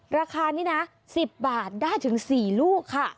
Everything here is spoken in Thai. ราคานี้นะ๑๐บาทได้ถึง๔ลูกค่ะ